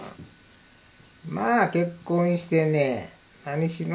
まあ結婚してね何しろ